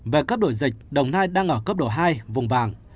về cấp độ dịch đồng nai đang ở cấp độ hai vùng vàng